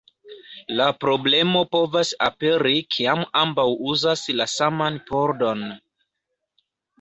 La problemo povas aperi kiam ambaŭ uzas la saman pordon.